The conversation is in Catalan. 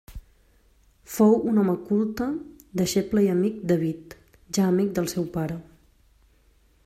Fou un home culte, deixeble i amic d'Avit, ja amic del seu pare.